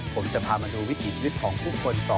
ผมจะพามาดูวิถีชีวิตของผู้คน๒